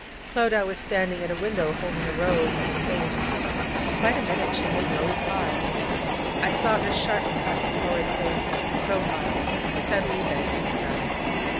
Clodagh was standing at a window holding a rose at her face. For quite a minute she made no reply. I saw her sharp cut, florid face in profile, steadily bent and smelling.